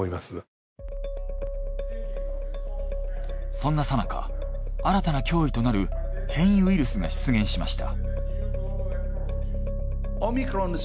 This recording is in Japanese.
そんなさなか新たな脅威となる変異ウイルスが出現しました。